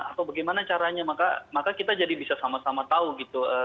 atau bagaimana caranya maka kita jadi bisa sama sama tahu gitu